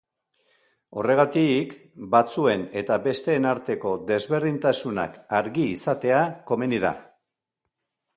Horregatik, batzuen eta besteen arteko desberdintasunak argi izatea komeni da.